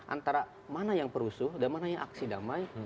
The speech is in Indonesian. antara mana yang perusuh dan mana yang aksi damai